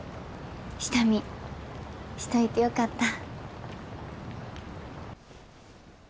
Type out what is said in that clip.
下見しといてよかった。